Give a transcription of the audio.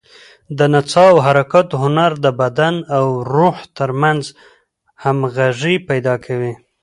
د نڅا او حرکاتو هنر د بدن او روح تر منځ همغږي پیدا کوي.